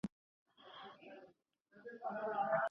যখন কবর দেওয়া হচ্ছিল তখনো কারও কারও গোঙানির আওয়াজ পাওয়া যাচ্ছিল।